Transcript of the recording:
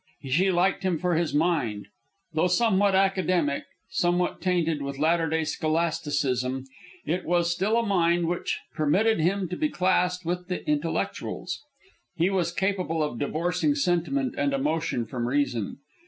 She liked him for his mind. Though somewhat academic, somewhat tainted with latter day scholasticism, it was still a mind which permitted him to be classed with the "Intellectuals." He was capable of divorcing sentiment and emotion from reason.